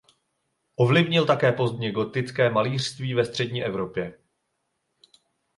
Ovlivnil také pozdně gotické malířství ve střední Evropě.